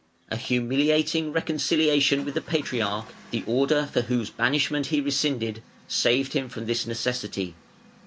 A humiliating reconciliation with the Patriarch, the order for whose banishment he rescinded, saved him from this necessity.